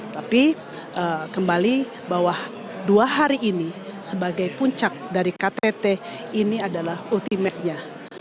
tapi kembali bahwa dua hari ini sebagai puncak dari ktt ini adalah ultimate nya